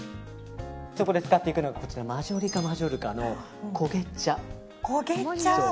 そこで使っていくのがマジョリカマジョルカのこげ茶。